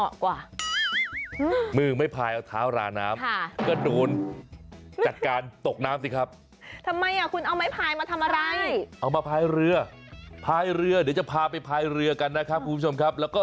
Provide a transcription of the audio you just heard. อ้าวเดี๋ยว